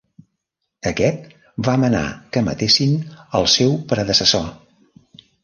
Aquest va manar que matessin el seu predecessor.